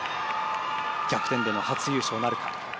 逆転での初優勝なるか。